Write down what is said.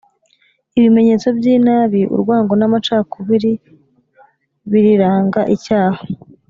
ibimenyetso by’inabi, urwango n’amacakubiri birirangaicyaha